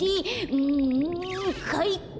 うんかいか！